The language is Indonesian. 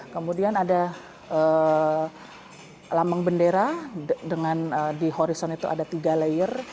kemudian ada lambang bendera dengan di horizon itu ada tiga layer